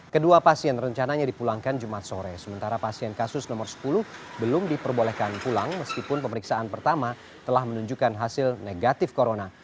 kedua pasien rencananya dipulangkan jumat sore sementara pasien kasus nomor sepuluh belum diperbolehkan pulang meskipun pemeriksaan pertama telah menunjukkan hasil negatif corona